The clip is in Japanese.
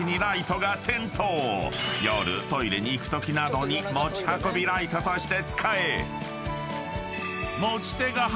［夜トイレに行くときなどに持ち運びライトとして使え］